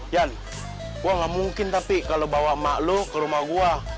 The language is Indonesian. yan gue gak mungkin tapi kalau bawa emak lo ke rumah gue